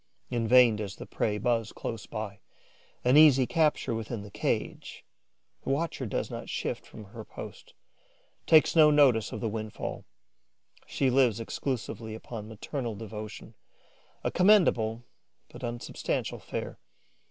In vain does the prey buzz close by, an easy capture within the cage: the watcher does not shift from her post, takes no notice of the windfall. She lives exclusively upon maternal devotion, a commendable but unsubstantial fare.